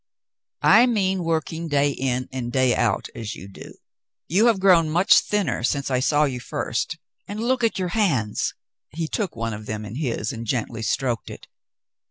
"I mean working day in and day out, as you do. You have grown much thinner since I saw you first, and look at your hands." He took one of them in his and gently stroked it.